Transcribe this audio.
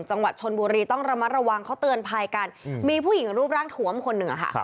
จังหวัดชนบุรีต้องระมัดระวังเขาเตือนภัยกันมีผู้หญิงรูปร่างถวมคนหนึ่งอะค่ะ